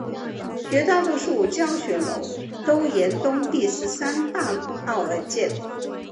绝大多数教学楼都沿东第十三大道而建。